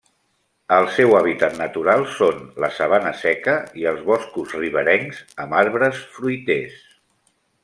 El seu hàbitat natural són la sabana seca i els boscos riberencs amb arbres fruiters.